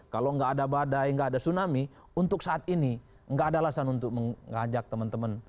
kalau nggak ada badai nggak ada tsunami untuk saat ini nggak ada alasan untuk mengajak teman teman